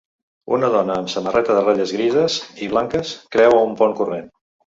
Una dona amb samarreta de ratlles grises i blanques creua un pont corrent.